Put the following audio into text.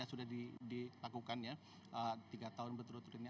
sudah ditakukannya tiga tahun berturut turut ini